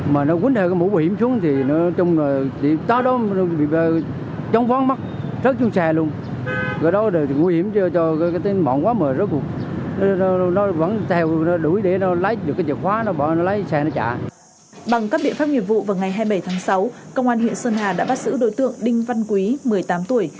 bằng các biện pháp nghiệp vụ vào ngày hai mươi bảy tháng sáu công an huyện sơn hà đã bắt giữ đối tượng đinh văn quý một mươi tám tuổi